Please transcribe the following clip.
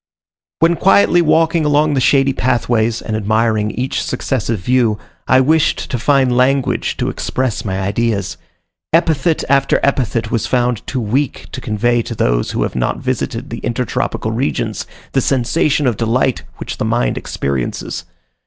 When quietly walking along the shady pathways, and admiring each successive view, I wished to find language to express my ideas. Epithet after epithet was found too weak to convey to those who have not visited the intertropical regions, the sensation of delight which the mind experiences.